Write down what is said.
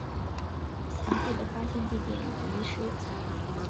详细的发现地点已遗失。